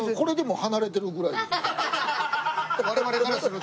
我々からすると。